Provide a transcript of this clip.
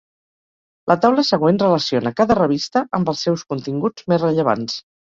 La taula següent relaciona cada revista amb els seus continguts més rellevants.